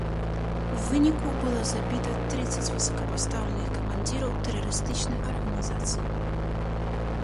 У выніку было забіта трыццаць высокапастаўленых камандзіраў тэрарыстычнай арганізацыі.